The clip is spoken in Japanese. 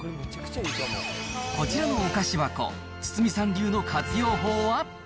こちらのお菓子箱、堤さん流の活用法は？